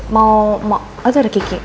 mau mau oh itu ada kiki